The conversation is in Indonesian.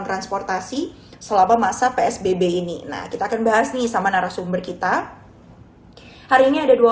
transportasi selama masa psbb ini nah kita akan bahas nih sama narasumber kita hari ini ada dua